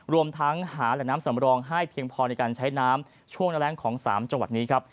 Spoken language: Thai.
รวมทั้งหาแหล่งน้ำสำรองให้เพียงพอในการใช้น้ำช่วงหน้าแรงของ๓จังหวัดนี้ครับ